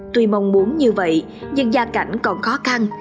tuy mong muốn như vậy nhưng gia cảnh còn khó khăn